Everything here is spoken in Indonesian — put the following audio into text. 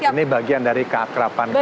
ini bagian dari keakraban kami